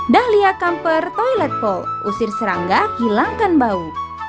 dahlia kamper toilet pole usir serangga hilangkan bau